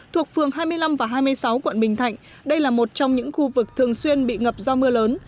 thuộc phường hai mươi năm và hai mươi sáu quận bình thạnh đây là một trong những khu vực thường xuyên bị ngập do mưa lớn